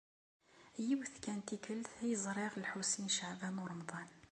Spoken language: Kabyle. Yiwet kan n tikkelt ay ẓriɣ Lḥusin n Caɛban u Ṛemḍan.